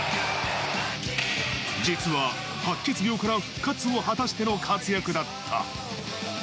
実は白血病から復活を果たしての活躍だった。